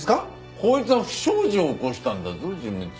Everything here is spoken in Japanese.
こいつは不祥事を起こしたんだぞ事務長。